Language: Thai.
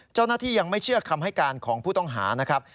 เจ้าหน้าที่ยังไม่เชื่อคำให้การของผู้ต้องหานะครับ